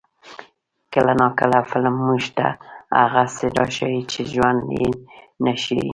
کله ناکله فلم موږ ته هغه څه راښيي چې ژوند یې نه ښيي.